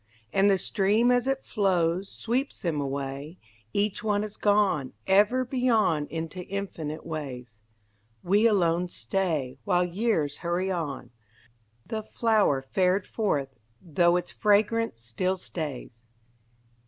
And the stream as it flows Sweeps them away, Each one is gone Ever beyond into infinite ways. We alone stay While years hurry on, The flower fared forth, though its fragrance still stays.